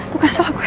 bukan salah gue